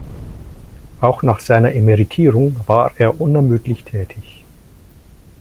Auch nach seiner Emeritierung war er unermüdlich tätig.